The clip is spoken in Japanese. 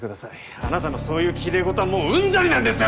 あなたのそういうきれいごとはもううんざりなんですよ！